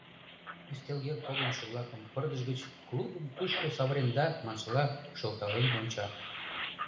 Ӱстел йыр погынышо-влакым пырдыж гыч «Клубым кушко савыренда?» маншыла шылтален онча.